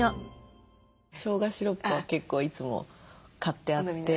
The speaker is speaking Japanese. しょうがシロップは結構いつも買ってあって。